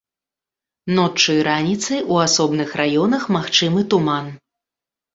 Ноччу і раніцай у асобных раёнах магчымы туман.